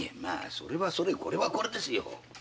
「それはそれこれはこれ」ですよ。